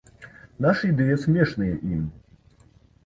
Нашы ідэі смешныя ім.